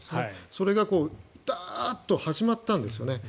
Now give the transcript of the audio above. それがダーッと始まったんですよね。